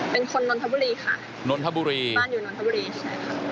เป็นคนนนทบุรีค่ะบ้านอยู่นนทบุรีใช่ค่ะ